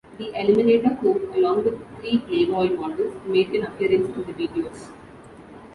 The "Eliminator" coupe, along with three "Playboy" models, made an appearance in the videos.